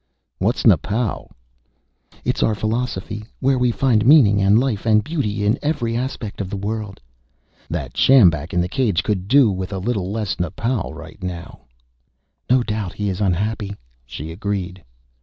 "What's napaû?" "It's our philosophy, where we find meaning and life and beauty in every aspect of the world." "That sjambak in the cage could do with a little less napaû right now." "No doubt he is unhappy," she agreed.